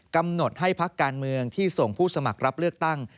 กำหนดให้พักการเมืองที่ส่งผู้สมัครรับเลือกตั้ง